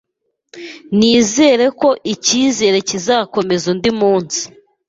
Nizere ko ikirere kizakomeza undi munsi.